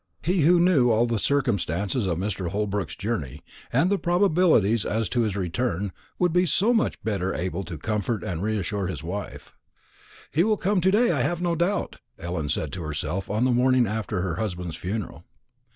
He who knew all the circumstances of Mr. Holbrook's journey, and the probabilities as to his return, would be so much better able to comfort and reassure his wife. "He will come to day, I have no doubt," Ellen said to herself on the morning after her husband's funeral.